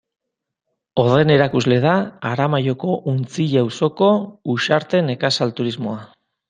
Horren erakusle da Aramaioko Untzilla auzoko Uxarte Nekazal Turismoa.